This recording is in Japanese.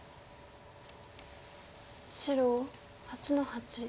白８の八。